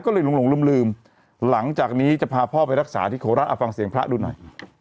ก็เลยหลงลืมหลังจากนี้จะพาพ่อไปรักษาที่โคราชเอาฟังเสียงพระดูหน่อย